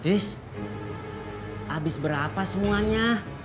tis habis berapa semuanya